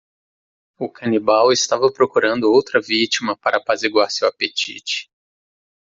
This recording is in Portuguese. O canibal estava procurando outra vítima para apaziguar seu apetite.